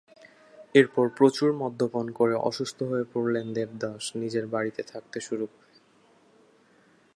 এরপর প্রচুর মদ্যপান করে অসুস্থ হয়ে পড়লে দেবদাস নিজের বাড়িতে থাকতে শুরু করে।